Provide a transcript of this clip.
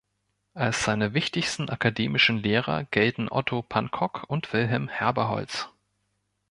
Als seine wichtigsten akademischen Lehrer gelten Otto Pankok und Wilhelm Herberholz.